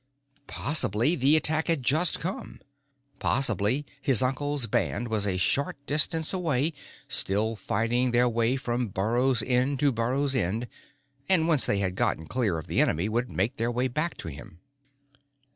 Possibly the attack had just come. Possibly his uncle's band was a short distance away, still fighting their way from burrow's end to burrow's end; and, once they had gotten clear of the enemy, would make their way back to him.